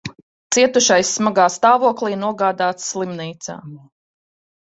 Cietušais smagā stāvoklī nogādāts slimnīcā.